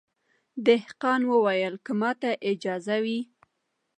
دهقان وویل که ماته اجازه وي